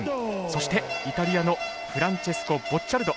そして、イタリアのフランチェスコ・ボッチャルド